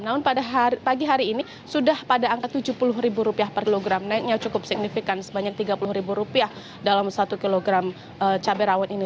namun pada pagi hari ini sudah pada angka rp tujuh puluh per kilogram naiknya cukup signifikan sebanyak rp tiga puluh dalam satu kg cabai rawit ini